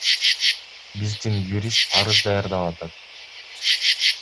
Биздин юрист арыз даярдап атат.